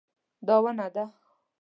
دا ونه ده